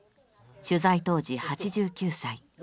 取材当時８９歳。